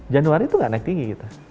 januari itu nggak naik tinggi gitu